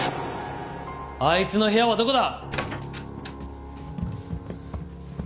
あいつの部屋はどこだ！？